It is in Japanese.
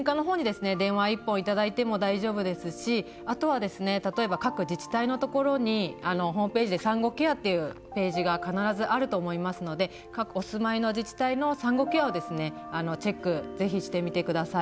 電話一本頂いても大丈夫ですしあとは例えば各自治体のところにホームページで産後ケアというページが必ずあると思いますので各お住まいの自治体の産後ケアをですねチェック是非してみてください。